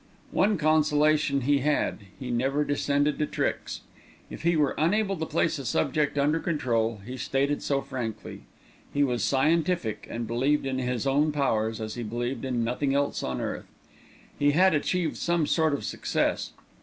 One consolation he had he never descended to tricks. If he were unable to place a subject under control, he stated so frankly. He was scientific, and believed in his own powers as he believed in nothing else on earth. He had achieved some sort of success.